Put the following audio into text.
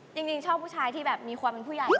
จริงชอบผู้ชายที่แบบมีความเป็นผู้ใหญ่